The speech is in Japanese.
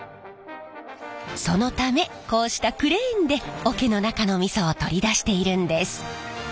そのためこうしたクレーンで桶の中の味噌を取り出しているんです。